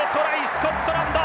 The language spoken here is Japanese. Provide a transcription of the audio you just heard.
スコットランド！